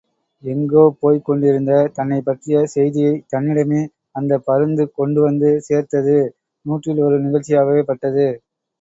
எங்கோபோய்க் கொண்டிருந்த தன்னைப்பற்றிய செய்தியைத் தன்னிடமே அந்தப் பருந்து கொண்டுவந்து சேர்த்தது நூற்றில் ஒரு நிகழ்ச்சியாகவே பட்டது.